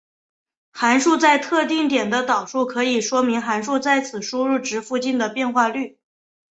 函数在特定点的导数可以说明函数在此输入值附近的变化率。